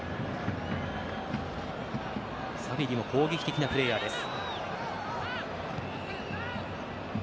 サビリも攻撃的なプレーヤーです。